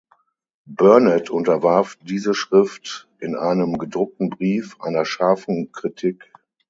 Burnet unterwarf diese Schrift in einem gedruckten Brief einer scharfen Kritik.